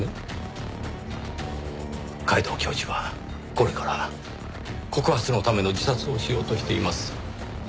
皆藤教授はこれから告発のための自殺をしようとしています。